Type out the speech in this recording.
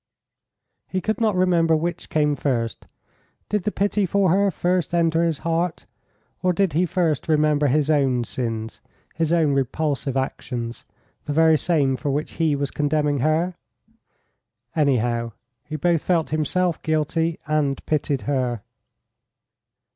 He could not remember which came first; did the pity for her first enter his heart, or did he first remember his own sins his own repulsive actions, the very same for which he was condemning her? Anyhow, he both felt himself guilty and pitied her.